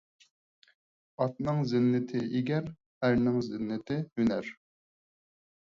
ئاتنىڭ زىننىتى _ ئىگەر، ئەرنىڭ زىننىتى _ ھۈنەر.